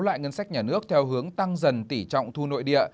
loại ngân sách nhà nước theo hướng tăng dần tỉ trọng thu nội địa